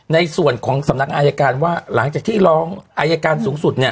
ในส่วนของสำนักงานอายการว่าหลังจากที่ร้องอายการสูงสุดเนี่ย